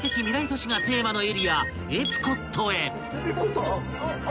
都市がテーマのエリアエプコットへ］